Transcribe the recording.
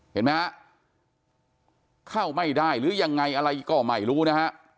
เห็นไหมฮะเข้าไม่ได้หรือยังไงอะไรก็ไม่รู้นะฮะ